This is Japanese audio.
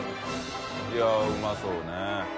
い筺うまそうね。